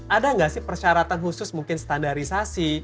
ada nggak sih persyaratan khusus mungkin standarisasi